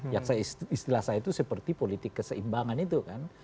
yang istilah saya itu seperti politik keseimbangan itu kan